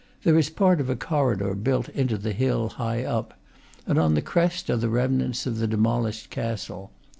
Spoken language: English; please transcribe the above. There is part of a corridor built into the hill, high up, and on the crest are the remnants of the demolished castle.